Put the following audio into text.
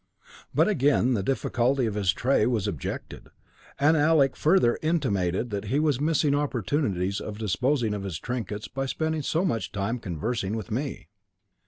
But again the difficulty of his tray was objected, and Alec further intimated that he was missing opportunities of disposing of his trinkets by spending so much time conversing with me.